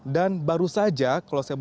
dan baru saja kalau saya berpikir